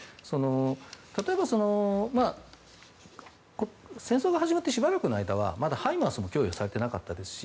例えば、戦争が始まってしばらくの間はまだハイマースも供与されていなかったですし